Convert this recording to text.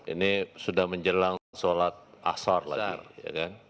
ini sudah menjelang sholat asar lagi